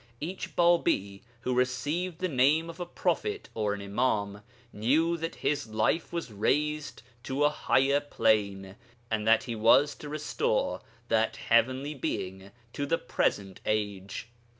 Each Bābī who received the name of a prophet or an Imām knew that his life was raised to a higher plane, and that he was to restore that heavenly Being to the present age.